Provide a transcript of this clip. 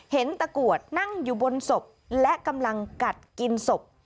ตะกรวดนั่งอยู่บนศพและกำลังกัดกินศพ